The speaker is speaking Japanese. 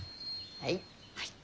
はい。